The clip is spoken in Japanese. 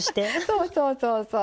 そうそうそうそう。